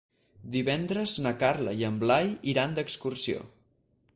Divendres na Carla i en Blai iran d'excursió.